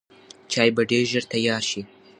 چای به ډېر ژر تیار شي.